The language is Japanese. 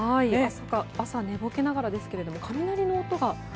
朝、寝ぼけながらですけれども雷の音が。